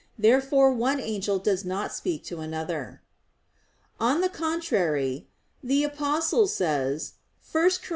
Therefore one angel does not speak to another. On the contrary, The Apostle says (1 Cor.